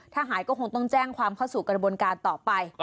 ถ้าหายก็คงต้องแจ้งความเข้าสู่กระบวนการต่อไป